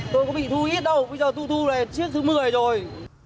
tôi có bị thu hết đâu bây giờ tôi thu là chiếc thứ một mươi rồi